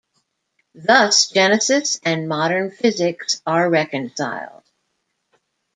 Thus Genesis and modern physics are reconciled.